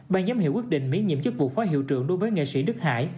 ban giám hiệu quyết định miễn nhiệm chức vụ phó hiệu trưởng đối với nghệ sĩ đức hải